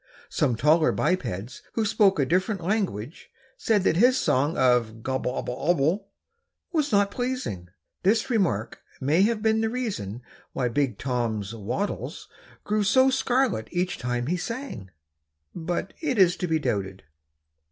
Some taller bipeds who spoke a different language said that his song of "gobble obble obble" was not pleasing. This remark may have been the reason why Big Tom's wattles grew so scarlet each time he sang, but it is to be doubted.